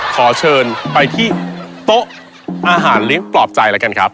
ขอเชิญไปที่โต๊ะอาหารเลี้ยงปลอบใจแล้วกันครับ